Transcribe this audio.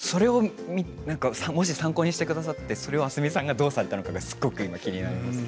それをもし参考にしてくださってそれで明日海さんがどうされたのか今すごく気になります。